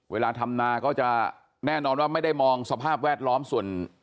เวลาทำนาก็จะแน่นอนว่าไม่ได้มองสภาพแวดล้อมส่วน